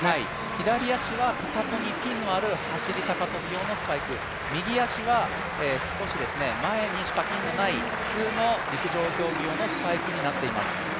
左足はかかとにピンのある高跳用のスパイク、右足は少し前にしかピンのない普通の陸上競技用のスパイクになっています。